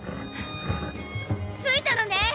着いたのね！